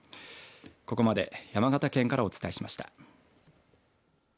ここまで山形県からお伝えしました。